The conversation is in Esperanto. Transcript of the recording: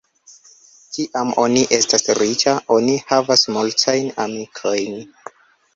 Kiam oni estas riĉa, oni havas multajn amikojn.